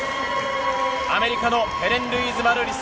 アメリカのヘレンルイーズ・マルーリス。